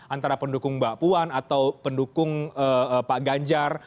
antara pendukung mbak puan atau pendukung pak ganjar